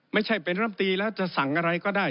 ไม่ใช่เตรียมรับตีแล้วจะสั่งอะไรก็ได้